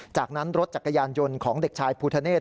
จากนั้นรถจักรยานยนต์ของเด็กชายภูทะเนศ